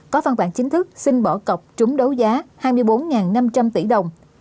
có văn bản chính thức xin bỏ cọc trúng đấu giá hai mươi bốn năm trăm linh tỷ đồng